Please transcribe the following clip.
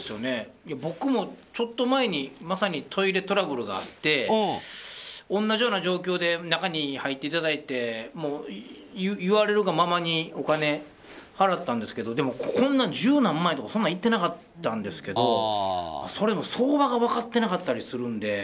僕もちょっと前にトイレトラブルがあって同じような状況で中に入っていただいて言われるがままにお金、払ったんですけどでも、十何万円とかいってなかったんですけどそれも相場が分かってなかったりするので。